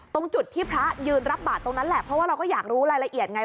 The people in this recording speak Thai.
ตรงจุดที่พระยืนรับบาทตรงนั้นแหละเพราะว่าเราก็อยากรู้รายละเอียดไง